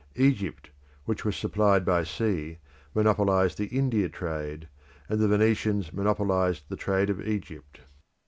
Egypt, which was supplied by sea, monopolised the India trade, and the Venetians monopolised the trade of Egypt.